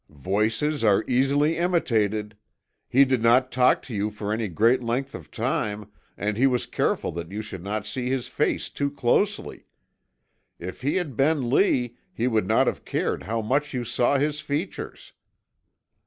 "Voices are easily imitated. He did not talk to you for any great length of time and he was careful that you should not see his face too closely. If he had been Lee he would not have cared how much you saw his features."